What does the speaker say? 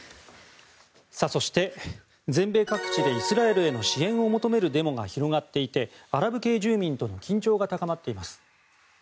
そして、全米各地でイスラエルへの支援を求めるデモが広がっていてアラブ系住民との緊張が高まっています。